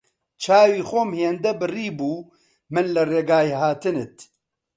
چاوی خۆم هێندە بڕیبوو من لە ڕێگای هاتنت